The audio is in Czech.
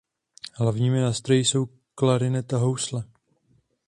Hlavními nástroji jsou klarinet a housle.